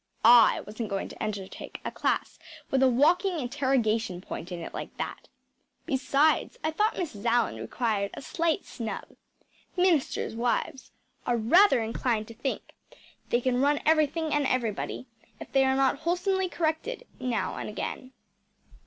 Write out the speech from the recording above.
I wasn’t going to undertake a class with a walking interrogation point in it like that. Besides, I thought Mrs. Allan required a slight snub. Ministers’ wives are rather apt to think they can run everything and everybody, if they are not wholesomely corrected now and again.